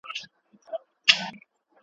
o ړوند خپله همسا يو وار ورکوي.